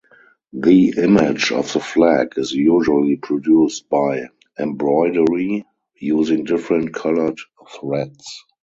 The image of the flag is usually produced by embroidery, using different colored threads.